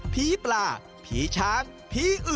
พีปลาพีช้างพีอึ่ง